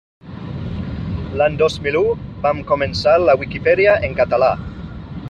L'any dos mil u vam començar la Viquipèdia en català.